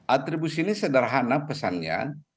atribusi ini sederhana pesannya